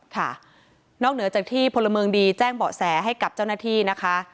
ค่ะนอกเหนือจากที่พลเมืองดีแจ้งเบาะแสให้กับเจ้าหน้าที่นะคะ